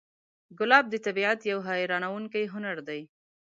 ګلاب د طبیعت یو حیرانوونکی هنر دی.